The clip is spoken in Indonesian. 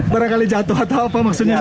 barangkali jatuh atau apa maksudnya